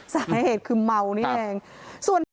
สาเหตุคือเมานี่เอง